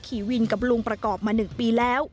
ขี่วินกับลุงประกอบมา๑ปีแล้ว